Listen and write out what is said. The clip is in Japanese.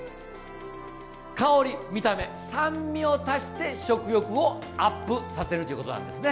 香り見た目酸味を足して食欲をアップさせるっちゅうことなんですね。